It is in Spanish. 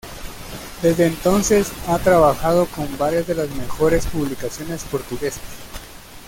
Desde entonces ha trabajado con varias de las mejores publicaciones portuguesas.